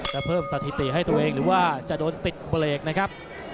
เพิ่มสถิติให้ตัวเองหรือว่าจะโดนติดเบรกนะครับ